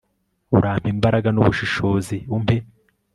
urampe imbaraga n'ubushishozi, umpe